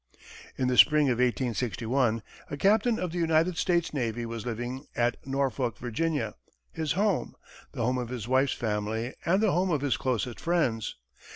In the spring of 1861, a captain of the United States navy was living at Norfolk, Va., his home, the home of his wife's family, and the home of his closest friends.